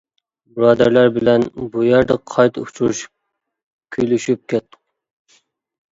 بۇرادەرلەر بىلەن بۇ يەردە قايتا ئۇچرىشىپ كۈلۈشۈپ كەتتۇق.